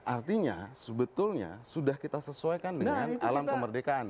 artinya sebetulnya sudah kita sesuaikan dengan alam kemerdekaan